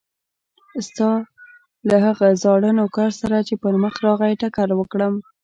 ستا له هغه زاړه نوکر سره چې پر مخه راغی ټکر وکړم.